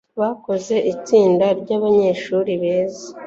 bakoze itsinda ry'abanyeshuri beza